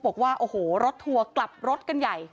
บอกว่าโอ้โหรถทัวร์กลับรถกันใหญ่